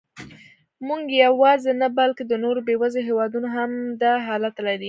موږ یواځې نه، بلکې د نورو بېوزلو هېوادونو هم همدا حالت لري.